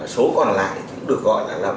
số còn lại cũng được gọi là đề án đưa lao động